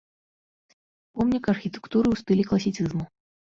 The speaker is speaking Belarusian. Помнік архітэктуры ў стылі класіцызму.